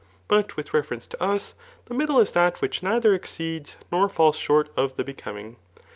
But with reference to us the middle is that which neither exceeds nor &0m short of die becoming.